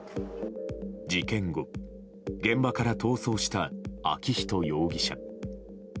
事件後現場から逃走した昭仁容疑者。